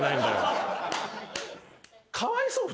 かわいそう！